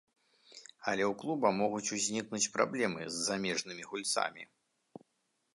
Але ў клуба могуць узнікнуць праблемы з замежнымі гульцамі.